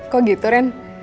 kok gitu ren